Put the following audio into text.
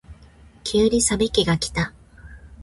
急に冷め期がきた。